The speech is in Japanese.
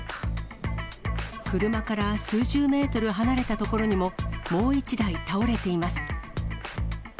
車から数十メートル離れた所にも、もう１台倒れています。